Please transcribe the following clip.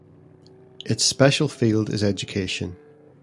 Its special field is education.